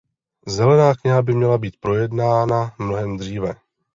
Zelená kniha by měla být projednána mnohem dříve.